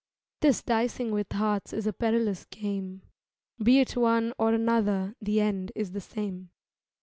This dicing with hearts is a perilous game: Be it one or another the end Is the same.